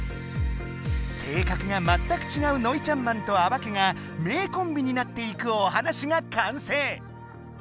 性格がまったくちがうノイちゃんまんとあばけが名コンビになっていくお話が完成！